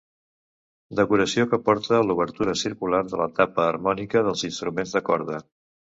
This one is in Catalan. Decoració que porta l'obertura circular de la tapa harmònica dels instruments de corda.